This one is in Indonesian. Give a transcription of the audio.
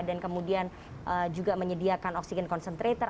dan kemudian juga menyediakan oksigen concentrator